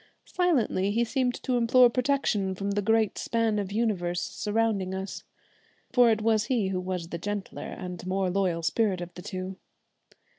Silently he seemed to implore protection from the great span of universe surrounding us for it was he who was the gentler and more loyal spirit of the two.